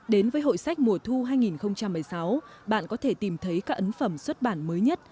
đến với hội sách mùa thu hai nghìn một mươi sáu bạn có thể tìm thấy các ấn phẩm xuất bản mới nhất